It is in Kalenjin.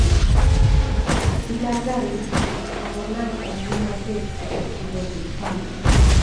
Kiilal garit akonam eng kimnatet kotokchikei sipitali